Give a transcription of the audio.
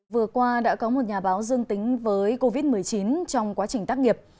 vừa qua đã có một nhà báo dương tính với covid một mươi chín trong quá trình tác nghiệp